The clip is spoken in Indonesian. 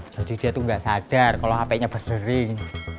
jadi dia tuh gak sadar kalau hp nya berdering